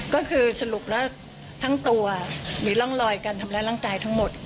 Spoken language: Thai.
ก็คือสรุปแล้วทั้งตัวมีร่องลอยกันทำแล้วร่างกายทั้งหมด